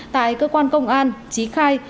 tại cơ quan công an trí khai